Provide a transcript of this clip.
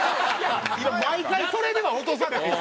毎回それでは落とされへん。